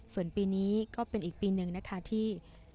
ส่วนปีนี้ก็เป็นอีกปีหนึ่งนะคะที่